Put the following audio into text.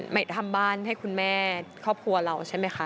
ทำบ้านให้คุณแม่ครอบครัวเราใช่ไหมคะ